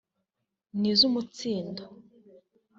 n’iz’Umutsindo